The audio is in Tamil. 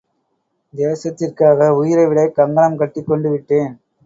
தேசத்திற்காக உயிரைவிடக் கங்கணம் கட்டிக் கொண்டு விட்டேன்.